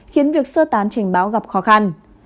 khiến việc sơ tán trình báo gặp khó khăn